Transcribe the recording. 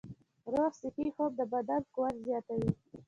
روغ صحي خوب د بدن قوت زیاتوي.